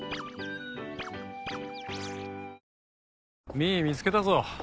美依見つけたぞ。